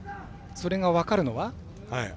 それが分かるのは。